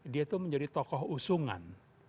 dia itu menjadi tokoh usungan